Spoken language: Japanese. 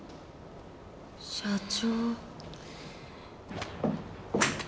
「社長」。